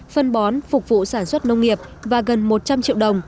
phân bón phục vụ sản xuất nông nghiệp và gần một trăm linh triệu đồng